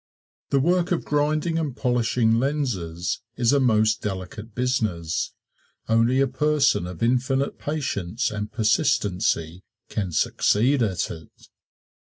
The work of grinding and polishing lenses is a most delicate business. Only a person of infinite patience and persistency can succeed at it.